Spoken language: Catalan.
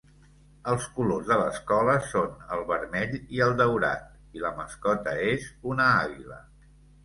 Els colors de l'escola són el vermell i el daurat, i la mascota és una àguila.